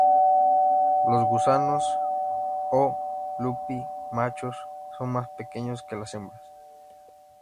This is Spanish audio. Los gusanos "O. lupi" machos son más pequeños que las hembras.